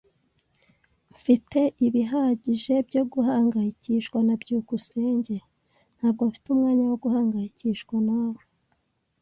Mfite ibihagije byo guhangayikishwa na byukusenge. Ntabwo mfite umwanya wo guhangayikishwa nawe.